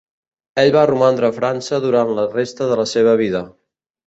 Ell va romandre a França durant la resta de la seva vida.